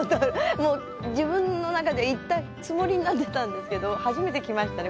もう自分のなかで行ったつもりになってたんですけど初めて来ましたね